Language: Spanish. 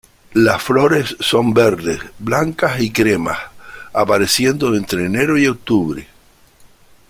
Las flores son verdes, blancas y cremas; apareciendo entre enero y octubre.